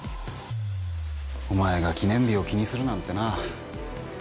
「お前が記念日を気にするなんてな」